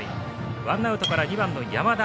ワンアウトからライトの山田。